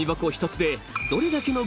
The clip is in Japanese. １つで］